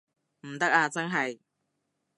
唔得啊真係